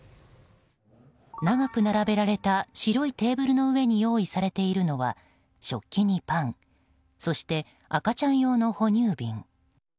長く並べられた白いテーブルの上に用意されているのは食器にパン、そして赤ちゃん用の哺乳瓶。